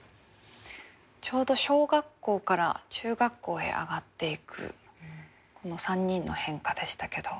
ちょうど小学校から中学校へ上がっていく３人の変化でしたけど。